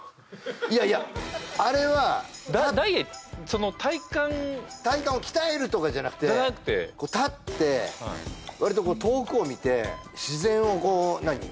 いやいやあれはダイエその体幹体幹を鍛えるとかじゃなくて立ってわりと遠くを見て自然をこう何？